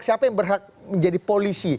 siapa yang berhak menjadi polisi